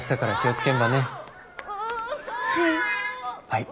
はい。